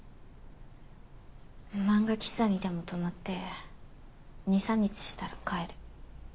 漫画喫茶にでも泊まって２３日したら帰る。